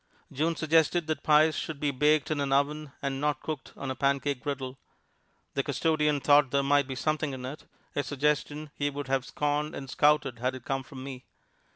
June suggested that pies should be baked in an oven and not cooked on a pancake griddle. The custodian thought there might be something in it a suggestion he would have scorned and scouted had it come from me.